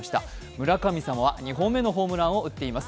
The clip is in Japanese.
村神様は２本目のホームランを打っています。